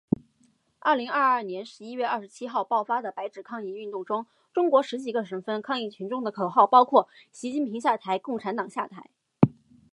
二零二二年十一月二十七号爆发的白纸抗议运动中，中国十几个省份抗议群众的口号包括“习近平下台，共产党下台”